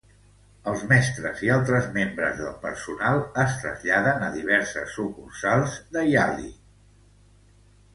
Els mestres i altres membres del personal es traslladen a diverses sucursals de Yali.